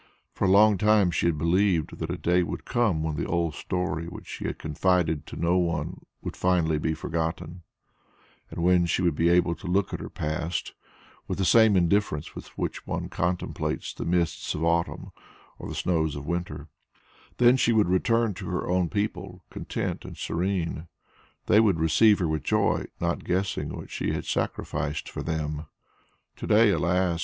For a long time she had believed that a day would come when the old story which she had confided to no one would be finally forgotten, when she would be able to look at her past with the same indifference with which one contemplates the mists of autumn or the snows of winter; then she would return to her own people content and serene; they would receive her with joy, not guessing what she had sacrificed for them. To day, alas!